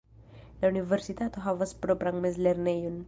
La universitato havas propran mezlernejon.